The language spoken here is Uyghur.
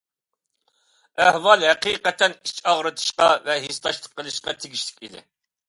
ئەھۋال ھەقىقەتەن ئىچ ئاغرىتىشقا ۋە ھېسداشلىق قىلىشقا تېگىشلىك ئىدى.